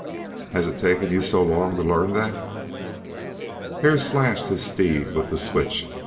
"Has it taken you so long to learn that?" Hare slashed his steed with the switch.